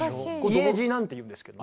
「家路」なんていうんですけど。